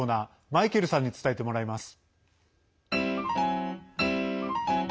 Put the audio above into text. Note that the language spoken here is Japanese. マイケルさんに伝えてもらいます。